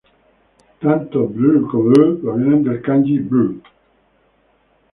Tanto わ como ワ provienen del kanji 和.